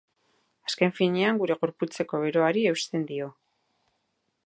Azken finean, gure gorputzeko beroari eusten dio.